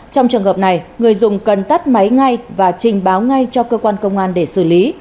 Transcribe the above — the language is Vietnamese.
trong trường hợp này người dùng cần tắt máy ngay và trình báo ngay cho cơ quan công an để xử lý